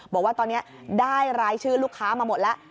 บอกว่าตอนนี้ได้รายชื่อลูกค้ามาหมดแล้ว